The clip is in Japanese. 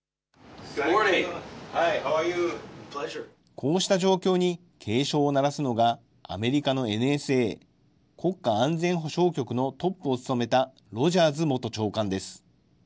こうした状況に、警鐘を鳴らすのが、アメリカのＮＳＡ・国家安全保障局のトップを務めたロジャーズ元長官です。